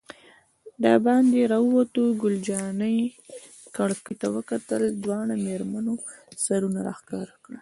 دباندې راووتو، ګل جانې کړکۍ ته وکتل، دواړو مېرمنو سرونه را ښکاره کړل.